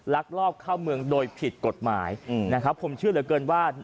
ลักลอบเข้าเมืองโดยผิดกฎหมายนะครับผมเชื่อเหลือเกินว่า